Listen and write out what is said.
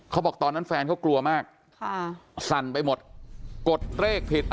เขาบอกว่าตอนนั้นแฟนเขากลัวมากสั่นไปหมด